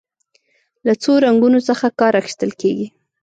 له څو رنګونو څخه کار اخیستل کیږي.